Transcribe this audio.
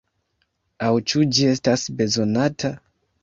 Aŭ ĉu ĝi estas bezonata?